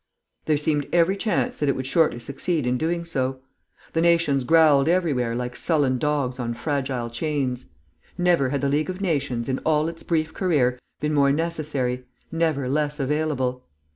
There seemed every chance that it would shortly succeed in doing so. The nations growled everywhere like sullen dogs on fragile chains. Never had the League of Nations, in all its brief career, been more necessary, never less available.